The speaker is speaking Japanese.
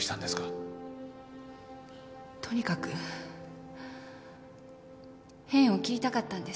とにかく縁を切りたかったんです。